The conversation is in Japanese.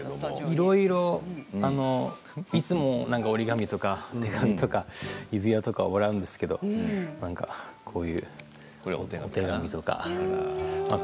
いろいろいつも折り紙とか手紙とか指輪とかもらうんですけれど何かこういうお手紙とか。